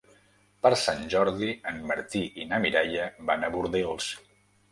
Per Sant Jordi en Martí i na Mireia van a Bordils.